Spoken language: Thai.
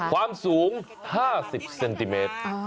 ความสูง๕๐เซนติเมตร